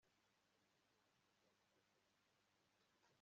niba iduka rifunze uyumunsi, nzongera kugerageza ejo